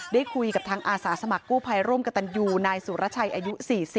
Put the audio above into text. ได้คุยกับทางอาสาสมัครกู้ภัยร่วมกับตันยูนายสุรชัยอายุ๔๐